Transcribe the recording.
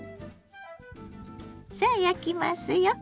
さあ焼きますよ。